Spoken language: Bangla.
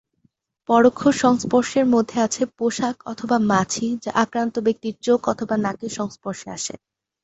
পরোক্ষ সংস্পর্শের মধ্যে আছে পোশাক অথবা মাছি যা আক্রান্ত ব্যক্তির চোখ অথবা নাকের সংস্পর্শে আসে।